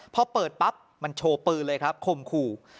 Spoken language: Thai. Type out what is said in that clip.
พอเปิดปั๊บมันโชว์ปืนเลยครับคมขู่